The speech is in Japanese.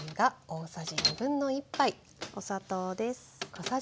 お砂糖です。